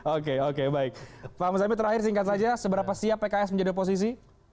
oke oke baik pak muzami terakhir singkat saja seberapa siap pks menjadi oposisi